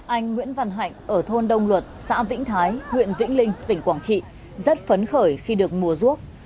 anh nguyễn văn hạnh ở thôn đông luật xã vĩnh thái huyện vĩnh linh tỉnh quảng trị rất phấn khởi khi được mùa ruốc